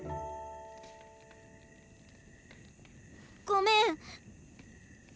ごめん。